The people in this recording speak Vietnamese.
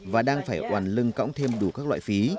và đang phải oàn lưng cõng thêm đủ các loại phí